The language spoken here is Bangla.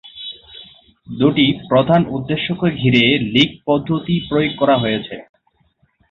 দু’টি প্রধান উদ্দেশ্যকে ঘিরে লীগ পদ্ধতি প্রয়োগ করা হয়েছে।